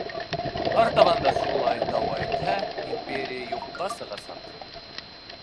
Артабан да шулай дауа итһә, империя юҡҡа сығасаҡ.